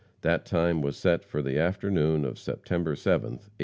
That time was set for the afternoon of September 7th, 1876.